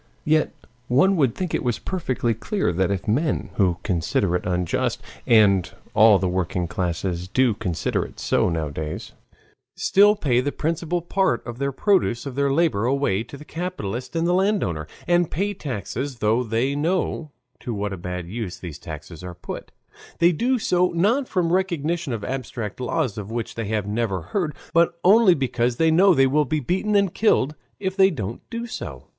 Yet one would think it was perfectly clear that if men, who consider it unjust (and all the working classes do consider it so nowadays), still pay the principal part of the produce of their labor away to the capitalist and the landowner, and pay taxes, though they know to what a bad use these taxes are put, they do so not from recognition of abstract laws of which they have never heard, but only because they know they will be beaten and killed if they don't do so.